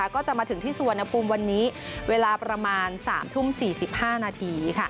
ก็จะมาถึงที่สุวรรณภูมิวันนี้เวลาประมาณ๓ทุ่ม๔๕นาที